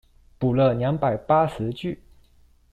補了兩百八十句